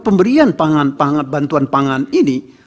pemberian bantuan pangan ini